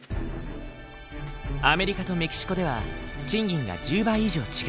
アメリカとメキシコでは賃金が１０倍以上違う。